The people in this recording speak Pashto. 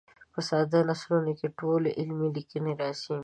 په ساده نثرونو کې ټولې علمي لیکنې راځي.